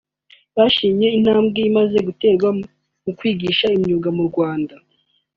washimye intambwe imaze guterwa mu kwigisha imyuga mu Rwanda